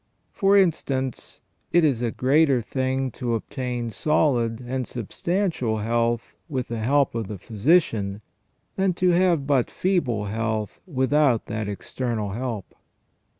For instance, it is a greater thing to obtain solid and substantial health with the help of the physician than to have but feeble health without that external help.